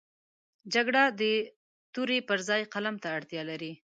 جګړه د تورې پر ځای قلم ته اړتیا لري